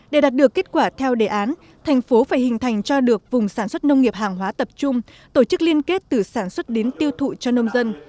để đạt được kết quả theo đề án thành phố phải hình thành cho được vùng sản xuất nông nghiệp hàng hóa tập trung tổ chức liên kết từ sản xuất đến tiêu thụ cho nông dân